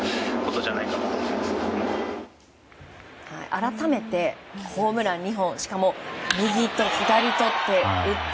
改めて、ホームラン２本しかも右と左とって打って。